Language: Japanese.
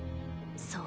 そう」。